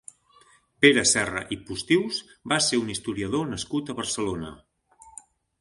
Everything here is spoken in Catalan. Pere Serra i Postius va ser un historiador nascut a Barcelona.